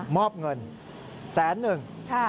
มอบเงินแสนหนึ่ง